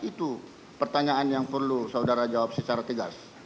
itu pertanyaan yang perlu saudara jawab secara tegas